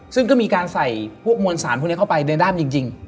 ซึ่งก็มีการใส่พวกมวลสารพวกนี้เข้าไปในด้ามจริง